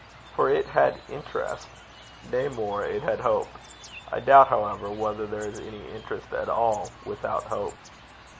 For it had interest. Nay, more, it had hope. I doubt, however, whether there is any interest at all without hope.